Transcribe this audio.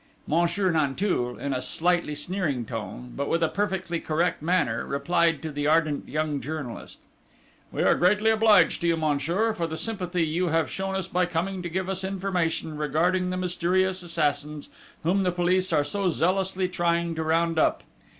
Monsieur Nanteuil, in a slightly sneering tone, but with a perfectly correct manner, replied to the ardent young journalist: "We are greatly obliged to you, monsieur, for the sympathy you have shown us by coming to give us information regarding the mysterious assassins, whom the police are so zealously trying to round up.